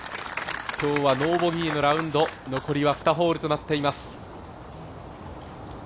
今日はノーボギーのラウンド、残りは２ホールとなっています。